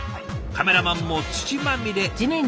カメラマンも土まみれ。